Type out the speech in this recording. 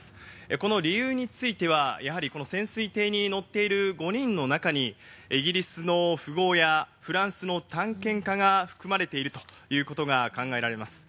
この理由については潜水艇に乗っている５人の中に、イギリスの富豪やフランスの探検家が含まれているということが考えられます。